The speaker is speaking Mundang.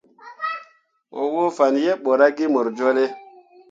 Mo woo fan yeɓ ɓo ra ge mor jolle.